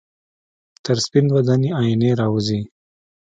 تر سپین بدن یې آئینې راوځي